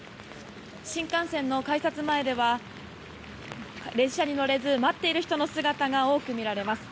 新幹線の改札前では列車に乗れず待っている人の姿が多く見られます。